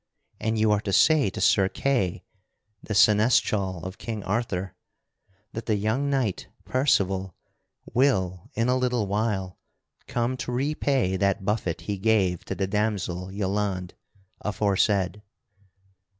And you are to say to Sir Kay, the Seneschal of King Arthur, that the young knight Percival will in a little while come to repay that buffet he gave to the damoiselle Yelande aforesaid."